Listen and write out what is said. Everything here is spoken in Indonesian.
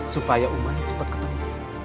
supaya umay cepat kembali